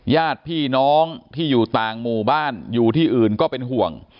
ญาติพี่น้องที่อยู่ต่างหมู่บ้านอยู่ที่อื่นก็เป็นห่วง